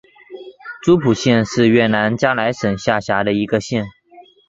诸蒲县是越南嘉莱省下辖的一个县。